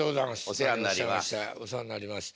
お世話になります。